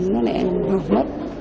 nó lại học mất